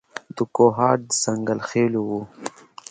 د کوهاټ د ځنګل خېلو و.